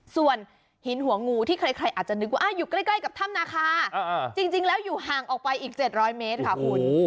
ส่วนหินหัวงูที่ใครอาจจะนึกว่าอยู่ใกล้กับถ้ำนาคาจริงแล้วอยู่ห่างออกไปอีก๗๐๐เมตรค่ะคุณ